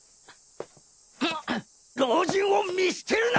あっ老人を見捨てるな！